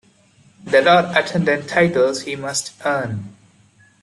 There are attendant titles he must earn.